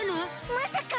まさか。